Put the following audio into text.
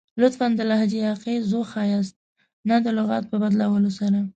لطفاً ، د لهجې اغیز وښایست نه د لغات په بدلون سره!